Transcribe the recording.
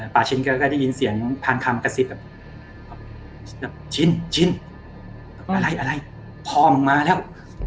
พาชินกก็ได้ยินเสียงพาลคำกสิทธิ์ชินอะไรพอมาแล้ว